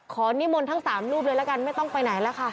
นิมนต์ทั้ง๓รูปเลยละกันไม่ต้องไปไหนแล้วค่ะ